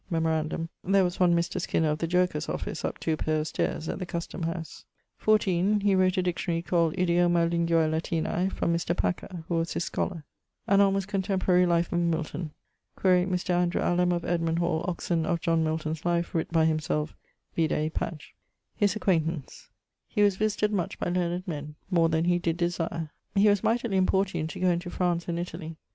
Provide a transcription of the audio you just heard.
Memorandum there was one Mr. Skinner of the Jerkers office up 2 paire of stayres at the Custome house. 14. He wrote a dictionary called Idioma linguae Latinae (from Mr. Packer who was his scholar). <_An almost contemporary life of Milton._> Quaere Mr. Allam, of Edmund hall, Oxon, of John Milton's life writt by himselfe: vide pagg.... <_His acquaintance._> He was visited much by learned ; more then he did desire. He was mightily importuned to goe into France and Italie.